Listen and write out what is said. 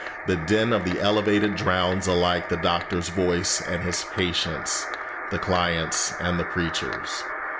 The din of the elevated drowns alike the doctor's voice and his patient's, the client's and the preacher's.